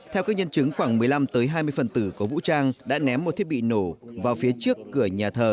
theo các nhân chứng khoảng một mươi năm hai mươi phần tử có vũ trang đã ném một thiết bị nổ vào phía trước cửa nhà thờ